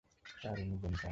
Sir ইনি Jennifer.